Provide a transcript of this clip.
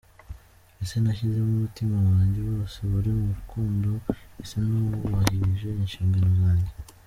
Ese nashyizemo umutima wajye wose muri uru rukundo? Ese nubahirije inshingano zajye?.